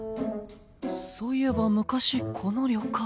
そういえば昔この旅館。